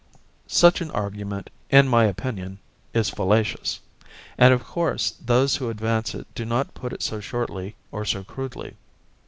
Such an argument, in my opinion, is fallacious; and of course those who advance it do not put it so shortly or so crudely.